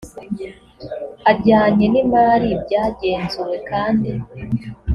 ajyanye n imari byagenzuwe kandi